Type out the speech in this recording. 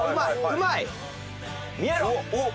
うまい。